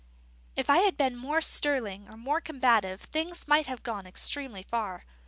If I had been more sterling or more combative things might have gone extremely far.